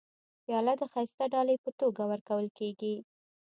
پیاله د ښایسته ډالۍ په توګه ورکول کېږي.